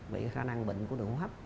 về khả năng bệnh của đường hóa hấp